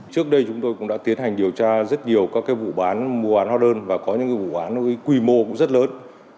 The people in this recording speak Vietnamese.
trước đây chúng tôi cũng đã tiến hành điều tra rất nhiều các vụ bán mua bán hóa đơn và có những vụ án quy mô cũng rất lớn